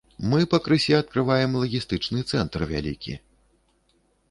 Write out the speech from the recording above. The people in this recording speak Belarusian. Мы пакрысе адкрываем лагістычны цэнтр вялікі.